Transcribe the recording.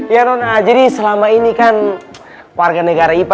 ya rona jadi selama ini kan warga negara ipa